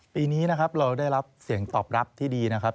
ปีนี้นะครับเราได้รับเสียงตอบรับที่ดีนะครับ